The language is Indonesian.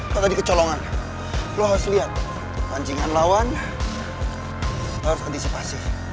pakai di kecolongan lo harus lihat pancingan lawan harus kondisi pasif